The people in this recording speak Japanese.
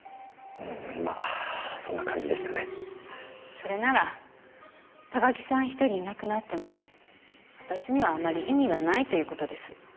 それなら高木さん一人いなくなっても私にはあまり意味がないという事です。